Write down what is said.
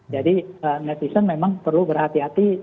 jadi netizen memang perlu berhati hati